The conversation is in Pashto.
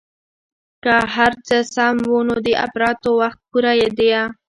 که هرڅه سم وو نو د اپراتو وخت پوره ديه.